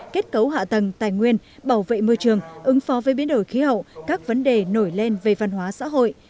kết cấu hạ tầng tài nguyên bảo vệ môi trường ứng phó với biến đổi khí hậu các vấn đề nổi lên về văn hóa xã hội